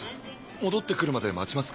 戻ってくるまで待ちますか？